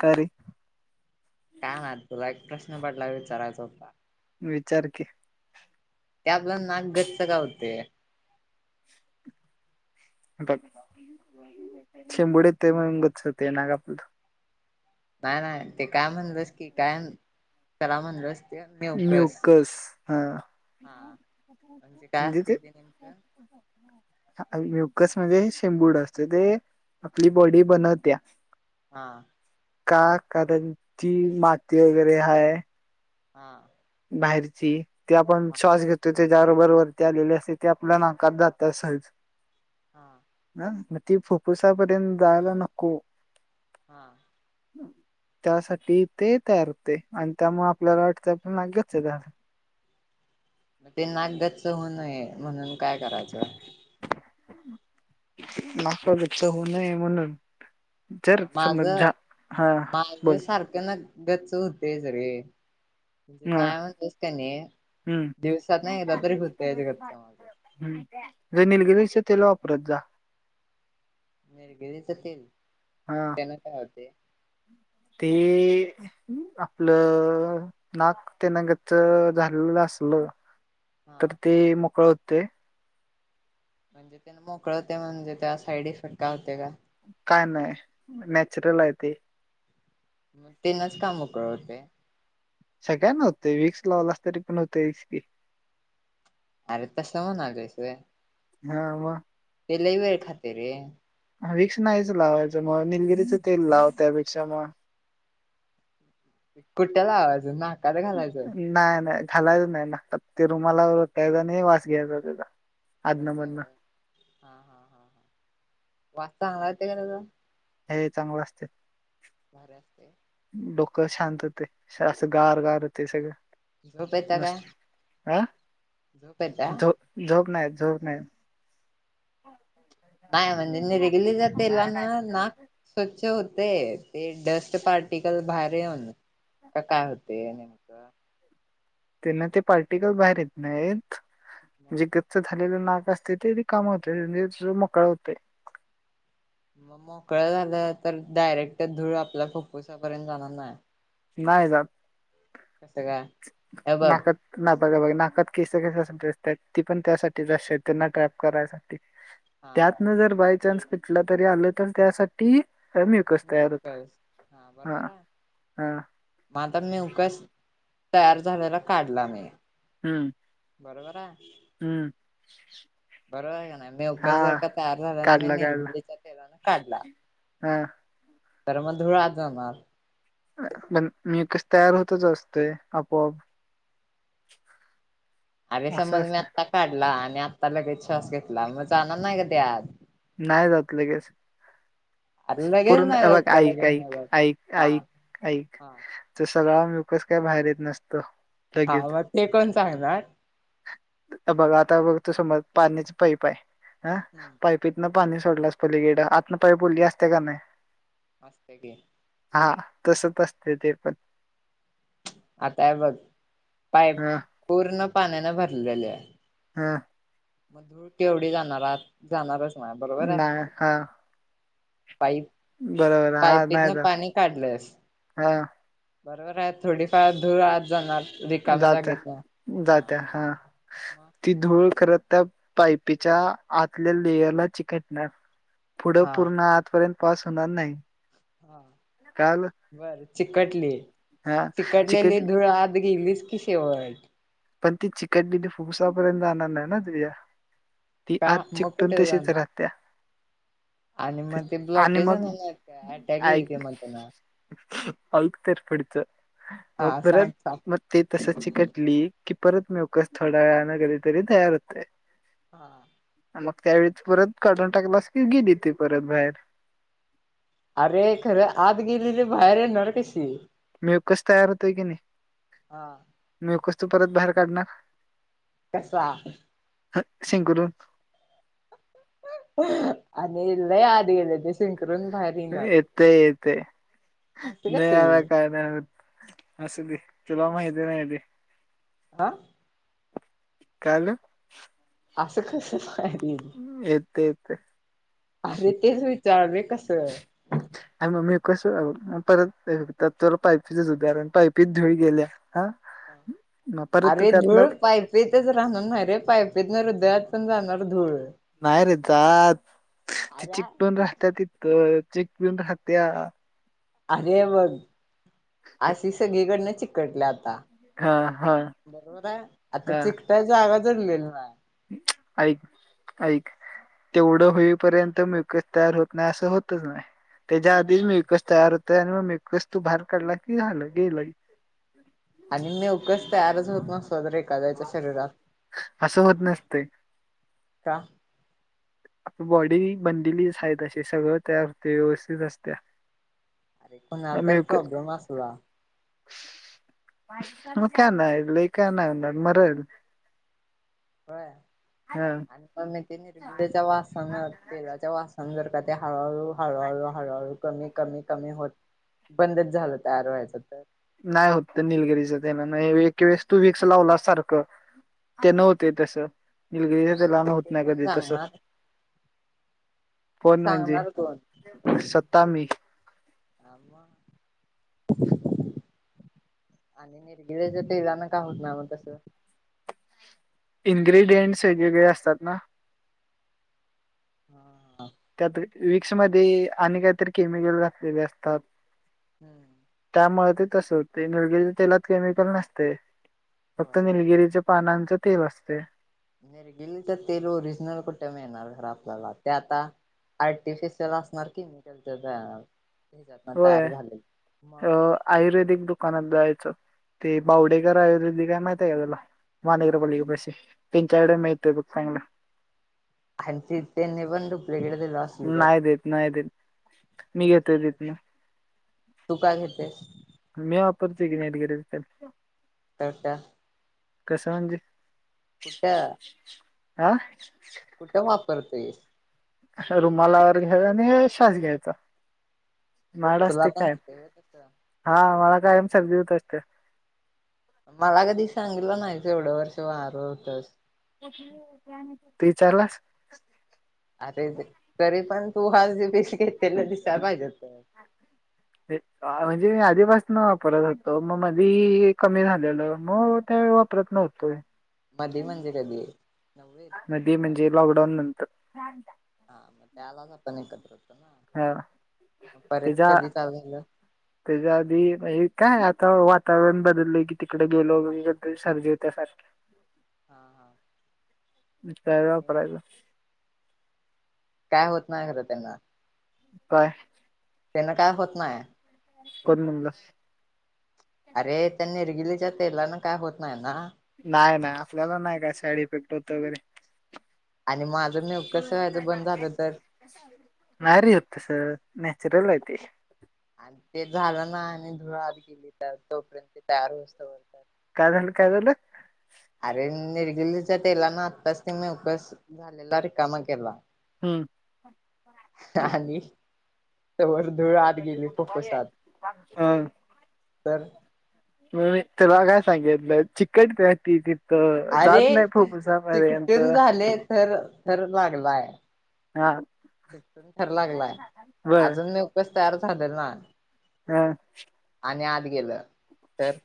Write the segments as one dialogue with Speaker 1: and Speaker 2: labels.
Speaker 1: कारी
Speaker 2: का ना तुला एक प्रश्न पडला विचारायचा होता.
Speaker 1: विचार की
Speaker 2: त्या आपला नाक गच्चग होते.
Speaker 1: बघ शिंबड ते मंगचच ते ना का आपलं.
Speaker 2: नाही नाही ते काय म्हणलंस की काय कला म्हणलस. नेवकस
Speaker 1: म्युकस हा
Speaker 2: हा म्हणजे काय असते ते नेमकं.
Speaker 1: म्युकस म्हणजे शेंबूड असते ते आपली बॉडी बनवत्या.
Speaker 2: हा.
Speaker 1: का कारणची माती वगैरे हा.
Speaker 2: हा.
Speaker 1: बाहेरची ते आपण
Speaker 2: हा
Speaker 1: श्वास घेतो. त त्याच्याबरोबर वरती आलेली असते ते आपल्या नाकात जात असच.
Speaker 2: हां.
Speaker 1: ह मग ती फुफ्फुसापर्यंत जायला नको.
Speaker 2: हा.
Speaker 1: त्यासाठी ते तयार होते आणि त्यामुळे आपल्याला वाटतं. नागेच त्या
Speaker 2: मग ते नाक गच्च होऊ नये म्हणून काय करायचं.
Speaker 1: मागच होऊ नये म्हणून जर
Speaker 2: हा माझ
Speaker 1: समज झा हा बोल
Speaker 2: माझ सारखं ना गच होते सरे म्हे
Speaker 1: ह
Speaker 2: नाही म्हणतेच का नाही
Speaker 1: हम्म
Speaker 2: दिवसात न एगदा तरी फुजत याच्या घरच्या माग
Speaker 1: हम् जर निलगिरीच तेल वापरत जा.
Speaker 2: निरगिरीच तेल
Speaker 1: हा
Speaker 2: त्यांना काय होतेय.
Speaker 1: ते आपलं नाक ते गच झालेलं असल
Speaker 2: हा
Speaker 1: तर ते मोकळ होतेय.
Speaker 2: म्हणजे त्या न मोकळ होते, म्हणजे त्या साईड इफेक्ट का होते काय
Speaker 1: काय नाही नॅचरल आहे ते.
Speaker 2: मग तेनाच का मोकळ होते.
Speaker 1: सगळ्यांना होते वी्कस लावलास तरी पण होते की,
Speaker 2: अरे तस म्हणायलोस होय.
Speaker 1: हा म.
Speaker 2: ते लय वेळ खात रे
Speaker 1: ह विक्क्स नाहीच लावायचं मग निलगिरीच तेल लाव त्यापेक्षा मग!
Speaker 2: कुठ लावायचं ना
Speaker 1: नाही नाही घालायचं नाही ना ते रुमालायचा आणि वास घ्यायचा त्याचा. आधनं
Speaker 2: तस
Speaker 1: मधनं
Speaker 2: हाय हा हा हा वास चांगला येते का त्याज.
Speaker 1: हे चांगलं असतेय.
Speaker 2: भारी असतेय.
Speaker 1: डोक शांत होते असं गार गार होते सगळं
Speaker 2: झोप येत्या काय
Speaker 1: मस्त. अ
Speaker 2: झोप येत्या
Speaker 1: झो झोप नाही झोप नाही
Speaker 2: नाही म्हणजे निरेगलीचा तेलान नाक स्वच्छ होते ते डस्ट पार्टिकल बाहेर येऊन का काय होत ते नेमकं.
Speaker 1: त्यांना ते पार्टिकल बाहेर येत नाहीत
Speaker 2: मग
Speaker 1: जे गच्च झा झालेलं नाक असते ते रिकाम होत [unintelligible] मोकळा होत
Speaker 2: मग मोकळं झालं तर डायरेक्ट धूळ आपल्या फुप्फुसापर्यंत जाणार नाही.
Speaker 1: नाही जात
Speaker 2: कसं काय हे बघ
Speaker 1: नाकात ना बघा नाकात केस असत्यात ती पण त्यासाठीच त्यांना ट्रॅप करायचा. ते
Speaker 2: हा
Speaker 1: त्यातन जर बायचान्स कुठला तरी आलं तर त्यासाठी म्युकस
Speaker 2: न
Speaker 1: तयार होतं
Speaker 2: हा बरोबर आहे.
Speaker 1: हा
Speaker 2: मग आता मेवकस तयार झालेला काढला. मी
Speaker 1: हम्म.
Speaker 2: बरोबर आहे.
Speaker 1: हम्म.
Speaker 2: बरोबर आहे. का नाही
Speaker 1: हा
Speaker 2: मेउकर जर का तयार झाल्या ना मी
Speaker 1: काढला काढला
Speaker 2: निलबिलीच्या तेलान काढला.
Speaker 1: हा.
Speaker 2: तर मग धुळ आज जाणार.
Speaker 1: पण मी कस तयार होतच असते. आपोआप.
Speaker 2: अरे
Speaker 1: असं
Speaker 2: समज मी
Speaker 1: असतं
Speaker 2: आत्ता काढला. आणि आत्ता लगेच श्वास घेतला मग जाणार नाही. का ते आत.
Speaker 1: नाही जात लगेस.
Speaker 2: अरे लगेच
Speaker 1: पूर्ण
Speaker 2: नाही जात
Speaker 1: हेबघ
Speaker 2: का
Speaker 1: ऐक
Speaker 2: लगेच नाही
Speaker 1: ऐक
Speaker 2: जात हा
Speaker 1: ऐक ऐक
Speaker 2: हा
Speaker 1: तर सगळा मकस काय बाहेर येत नसतो.
Speaker 2: हा
Speaker 1: लगेच
Speaker 2: मग ते कोण सांगणार.
Speaker 1: बघ आता बघ तो समोर पाण्याच पाईप आहे हा
Speaker 2: हं
Speaker 1: पतनं पाणी सोडलंस पलीकडं आतन पाय वोली असते का नाही.
Speaker 2: असत्या की,
Speaker 1: हा तसच असते. ते पण.
Speaker 2: आता बघ पाईप
Speaker 1: हा
Speaker 2: पूर्ण पाण्यानं भरलेले आहे.
Speaker 1: ह
Speaker 2: मग धूळ केवढी जाणार आत जाणारच नाही बरोबर आहे.
Speaker 1: नाही हा
Speaker 2: पाईप
Speaker 1: बरोबर हा नाही
Speaker 2: पाईपीतन
Speaker 1: जात
Speaker 2: पाणी काढलंस
Speaker 1: हा
Speaker 2: बरोबर आहे थोडीफार धूळ आत जाणार. रिकाम्या
Speaker 1: जात्या
Speaker 2: जागेत ना
Speaker 1: जात्या हा ती धूळ खर त पायपीच्या आतल्या लेयरला चिकटणार. पुढं
Speaker 2: हा
Speaker 1: पूर्ण आतपर्यंत पास होणार नाही.
Speaker 2: हा
Speaker 1: कळालं
Speaker 2: बर चिकटली ती
Speaker 1: हां,
Speaker 2: चिकटलेली
Speaker 1: चिकट
Speaker 2: धुळ आत गेलीस कशी [unintelligible]
Speaker 1: पण ती चिकट दिली फुफसापर्यंत जाणार नाय ना तुझ्या ती
Speaker 2: का
Speaker 1: आत
Speaker 2: मग
Speaker 1: चिकटून
Speaker 2: कुठे
Speaker 1: तशीच
Speaker 2: जाणार
Speaker 1: राहत्या.
Speaker 2: आणि मग ते
Speaker 1: आणि
Speaker 2: ब्लॉककेजण
Speaker 1: मग
Speaker 2: अटॅक येईल की मंग त्यांना
Speaker 1: अलत तेरपडच मग
Speaker 2: हा सांग
Speaker 1: परत
Speaker 2: सांग
Speaker 1: म ते तसच चिकटली की परत मिवकस थोड्या वेळानं कधी तरी तयार होतय.
Speaker 2: हां
Speaker 1: मग त्यावेळेत परत काढून टाकलासं की गेली ते परत बाहेर
Speaker 2: अरे खरं आत गेलेली बाहेर येणार कशी?
Speaker 1: मीवंकस तयार होतोय की नाय
Speaker 2: हा
Speaker 1: मीवकस तू परत बाहेर काढणार.
Speaker 2: कसा
Speaker 1: हत शिंकरुन
Speaker 2: आणि लय आत गेले ते शिंकरून बाहेर येईनाच.
Speaker 1: ते येते
Speaker 2: असं
Speaker 1: नाय
Speaker 2: कसं
Speaker 1: आला
Speaker 2: येईल
Speaker 1: काय नाय होत. असुदे तुला माहती नाय ते.
Speaker 2: आ
Speaker 1: कायल
Speaker 2: असं कसंच काय गेली.
Speaker 1: येत येत.
Speaker 2: अरे तेच विचारले कसं?
Speaker 1: आणि मग मी कसं परत त पायपीचच उदाहरण पायपीत धुळ गेल्या ह
Speaker 2: अरे धूळ पाय तेतच राहणार नाय रे पायपीतन हृदयात पण जाणार धूळ.
Speaker 1: नाही रे जात ते
Speaker 2: अरे
Speaker 1: चिटकून राहत्या तितक चिटकून राहत्या.
Speaker 2: अरे बघ अशी सगळीकडनं चिकटल्या आता
Speaker 1: हा हा
Speaker 2: बरोबर आहे आता
Speaker 1: हा
Speaker 2: चिकटायला जागा जडलेल नाय.
Speaker 1: ऐक ऐक तेवढं होईपर्यंत मिवंकस तयार होत नाय असं होतच नाय. त्याच्या आधीच
Speaker 2: हा,
Speaker 1: मिवकस तयार होतय आणि मग मिवकस तू बाहेर काढला की झालं गेलंय.
Speaker 2: आणि मिवकस तयारच होत नसला तर एक करायचा शरीरात
Speaker 1: असं होत नसतंय
Speaker 2: का?
Speaker 1: आपली बॉडी बनलेलीच हाय तशी सगळं तयार होते व्यवस्थित असतेया.
Speaker 2: अरे कुणाला तर प्रॉब्लेम असला
Speaker 1: म काय नाय लय काय नाय होणार मरल.
Speaker 2: व्हय
Speaker 1: हा
Speaker 2: आणि पण मि ते निलगिरी वासना तेला च्या वास अनं जर का ते हळू हळू हळू हळू हळू कमी कमी कमी होत बंदच झालं तयार व्हायचं तर
Speaker 1: नाही होत निलगिरीच त्यांना नाही. एक वेळेस तू विक्स लावला सारखं त्यानं
Speaker 2: हा
Speaker 1: होतंय तसं निलगिरी
Speaker 2: हा
Speaker 1: तेलान
Speaker 2: पण
Speaker 1: होत
Speaker 2: ते
Speaker 1: नाय
Speaker 2: कोण
Speaker 1: कधी तस
Speaker 2: सांगणार ते
Speaker 1: कोणं म्हणजे
Speaker 2: सांगणार कोण
Speaker 1: स्वतः मी
Speaker 2: हा म आणि निर्गिलेच तेेलान काय होत नाय म कसं
Speaker 1: इनग्रेडियंट्स वेगवेगळे असतात ना
Speaker 2: हा
Speaker 1: त्यात विक्समध्येध्ये आणि काहीतरी केमिकल घातलेले असतात.
Speaker 2: हम्म
Speaker 1: त्यामुळे ते त असं होते निलगिरीच्या तेलात केमिकल नसते फक्त
Speaker 2: होय
Speaker 1: निलगिरीचे पानांच तेप असते
Speaker 2: निलगीरी तेल तर तेल ओरिजनल कुठं मिळणार ते आपल्याला ते आता आर्टिफिशियल असणार की म त्या
Speaker 1: होय अ
Speaker 2: मग
Speaker 1: आयुर्वेदिक दुकानात जायचं ते
Speaker 2: हा
Speaker 1: पावडेकर आयुर्वेदी काय माहित आहे का तुला महागनगर
Speaker 2: हा
Speaker 1: पालिके पशी त्यांच्याकडे
Speaker 2: हा
Speaker 1: मिळते चागलं
Speaker 2: आणि त त्यांनी पण ढुपलेलिकेट दिल तर
Speaker 1: नाही देत नाही देत मी घेतोय देत ना
Speaker 2: तुका घेतेस?
Speaker 1: मी वापरते की निलगिरीच
Speaker 2: [unintelligible]
Speaker 1: कसं म्हणजे
Speaker 2: कुठं?
Speaker 1: आ
Speaker 2: कुठं वापरतोस
Speaker 1: रुमालावर घ्या आणि श्वास घ्यायचा माड
Speaker 2: तुला
Speaker 1: असते
Speaker 2: पण
Speaker 1: कायम
Speaker 2: होते व्हय तसं
Speaker 1: हा मड कायम सर्दी होत असते
Speaker 2: मला कधी सांगितलं नाही तेवढं वर्ष वारं होतच
Speaker 1: ते विचारलास
Speaker 2: अरे तरी पण तू हज जे पीस घेत त्याला दिसायला पाहिजेत
Speaker 1: ह म्हणजे मी आधीपासून वापरत होतो मग आधी कमी झालेलं मग ते वापरत नव्हतं
Speaker 2: मधी म्हणजे कधी नववीत
Speaker 1: मध्ये म्हणजे
Speaker 2: दहावीत
Speaker 1: लॉकडाऊन नंतर
Speaker 2: हा मग त्यालाच आपण एकत्र होतो ना
Speaker 1: हा
Speaker 2: मग परत
Speaker 1: त्याच्या
Speaker 2: कधी चालू झालं
Speaker 1: त्याच्या आधी म्ह काय आता वातावरण बदललंय की तिकडे गेलो वगैरे सर्दी होत्या सारखं हम
Speaker 2: हां हां
Speaker 1: पयल [unintelligible]
Speaker 2: काय होत नाही खरं त्यांना
Speaker 1: काय?
Speaker 2: त्यांना काय होत नाहीय
Speaker 1: कोण म्हणलं
Speaker 2: अरे त्यांनी निलगिच्या तेला ना काय होत नाही ना?
Speaker 1: नाही नाही आपल्याला नाही काय साईड इफेक्ट होत वगैरे
Speaker 2: आणि माझं नेवक स वयचं बंद झालं तर
Speaker 1: नारी होत तसं नॅचरल ते
Speaker 2: आणि ते झालं ना आणि धुळात गेली तर तोपर्यंत ते तयार होतात
Speaker 1: काय झालं काय झालं?
Speaker 2: अरे निरगिलीच्या तेलान आत्ताच ते नवकस झालेला रिकामा केला
Speaker 1: हम्म
Speaker 2: आणि त वर धुळ आत गेले फुफुसात तर
Speaker 1: म तेला काय सांगितलं चिकट त त तर
Speaker 2: अरे
Speaker 1: जात नाही फुफुसापर्यंत
Speaker 2: चिकटून झाले थर थर
Speaker 1: हा
Speaker 2: फटून ठर लागलाय
Speaker 1: बर
Speaker 2: अजून मी उपस तयार झालेल ना
Speaker 1: हा
Speaker 2: आणि आत गेलं तर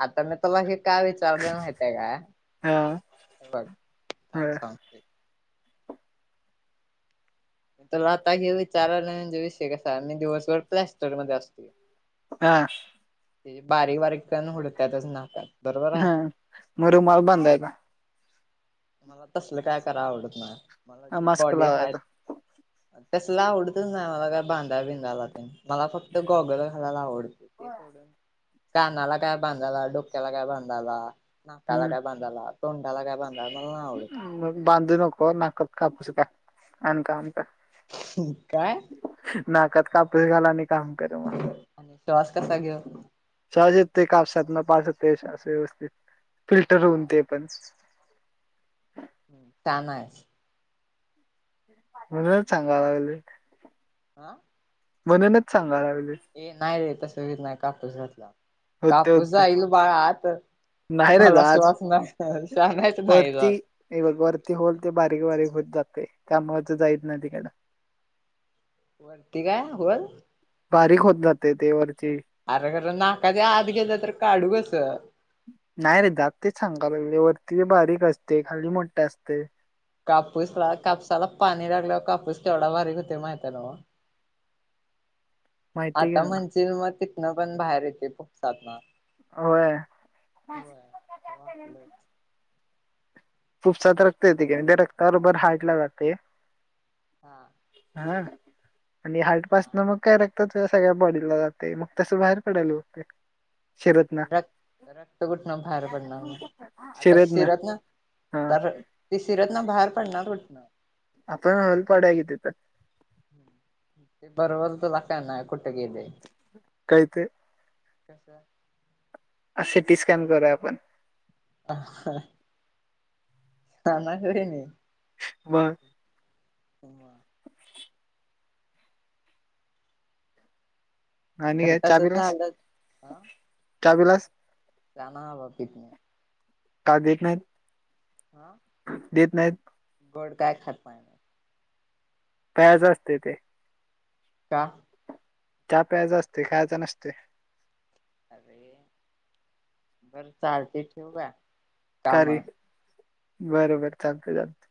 Speaker 2: आता मी तुला हे का विचारले माहितयका आहे
Speaker 1: हा
Speaker 2: का बघ ग
Speaker 1: बर
Speaker 2: सग तरला आता हे विचारायला म्हणजे विषय कसा मी दिवसभर प्लॅस्टर मध्ये असते.
Speaker 1: हा.
Speaker 2: ते बारीक बारीकण उडतातच नाकात. बरोबर हाय.
Speaker 1: हम म रुमाल बांदायचा.
Speaker 2: मला तसलं काय कराव आवडत नाही मला जी
Speaker 1: मास्क
Speaker 2: बॉडी आहेत
Speaker 1: लावायचा
Speaker 2: तसला आवडतच नाही मला काय बांधा बिधा लाते मला फक्त गोगल घालायला आवडत. ते सोड कानाला काय बांधायला डोक्याला काय बांधायला. नाकाला
Speaker 1: हम्म
Speaker 2: काय बांधाला तोंडाला काय बांधायला. मला नाय
Speaker 1: बांधू नको ना कापूस का अनका अनका. [unintelligible]
Speaker 2: काय?
Speaker 1: नाकत कापूस घाल आनी काम करू मग.
Speaker 2: आणि श्वास कसा घेऊ.
Speaker 1: शहजेत ते कापसात न पा ते अस व्यवस्थित फिल्टर होऊन ते पण.
Speaker 2: छान आहे.
Speaker 1: म्हणूनच चांगला लागलोय.
Speaker 2: आ.
Speaker 1: म्हणूनच सांगाय लागलोय.
Speaker 2: ये नाही रे तस सहत नाही कापूस घातला.
Speaker 1: होते
Speaker 2: कापूस
Speaker 1: होते
Speaker 2: जाईल बाळ आात
Speaker 1: नाही रे
Speaker 2: मला
Speaker 1: आज
Speaker 2: श्वास नाही शाानच नाही.
Speaker 1: वरती हे बघ वरती होल ते बारीक बारीक होत जाते त्यामाच जायच नाही तिकडं. [unintelligible]
Speaker 2: वरती काय होल?
Speaker 1: बारीक होत जातय ते वरची.
Speaker 2: अरे खरं नाका ते आत गेलं तर काढू कसं.
Speaker 1: नाही रे दात तेच सांगा बगळे वरती बारीक असते खाली मोठे असते.
Speaker 2: कापूस ला कापसाला पाणी लागल्यावर कापूस तेवढा बारीक होते माहित आहे ना.
Speaker 1: माहिती आहे
Speaker 2: आता
Speaker 1: की मला
Speaker 2: म्हणज मग तिथनं पण बाहेर येते फुपसात न.
Speaker 1: व्हय.
Speaker 2: वाटलंच
Speaker 1: फुप्फुसात रक्त येते की त्या रक्ता बरोबर हार्ट ला जातय.
Speaker 2: हा.
Speaker 1: हा आणि
Speaker 2: हा
Speaker 1: हार्टपासन मग काय रक्त सगळ्या बॉडीला जाते मग तसं बाहेर पडायला होतय.
Speaker 2: रक्त रक्त गुठण बाहेर पडणार आता
Speaker 1: शिरत ना
Speaker 2: शिरतन
Speaker 1: हा
Speaker 2: तर ते शिरतं बाहेर पडणार कुठन
Speaker 1: आपण होल पाडूया की तीथ
Speaker 2: ते बरोबर तुला कळणार कुठ गेलंय
Speaker 1: काय ते
Speaker 2: [unintelligible]
Speaker 1: सिटीस्कॅन करूया आपण.
Speaker 2: [unintelligible] सांगाल तो कणी
Speaker 1: बर.
Speaker 2: [unintelligible]
Speaker 1: आणि
Speaker 2: तर
Speaker 1: काय चहा
Speaker 2: तसच
Speaker 1: पिलास
Speaker 2: झालं
Speaker 1: चहा पिलास
Speaker 2: चहा नाही बाबा पित नाही.
Speaker 1: का देत नाहीत
Speaker 2: हा
Speaker 1: देत नाहीत.
Speaker 2: गोड काय खात नाही.
Speaker 1: प्यायच असतय ते
Speaker 2: का
Speaker 1: चहा प्यायचा असतय खायचा नसतय.
Speaker 2: अरे बरं चालते ठेव -
Speaker 1: का रे बरबर चालतय -चालतय